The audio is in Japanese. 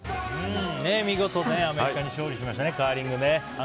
見事、アメリカに勝利しましたねカーリングね。